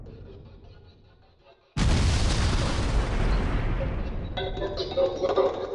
kujaza viti ambavyo vimeachwa wazi tangu uachaguzi mkuu wa mwaka elfu mbili kumi na nane